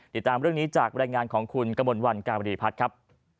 ติดตามเรื่องนี้จากบรรยายงานของคุณกระมวลวันการีพัฒน์ครับ